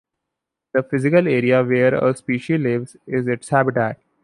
The physical area where a species lives, is its habitat.